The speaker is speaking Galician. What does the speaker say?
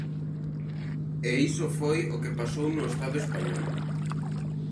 E iso foi o que pasou no Estado español.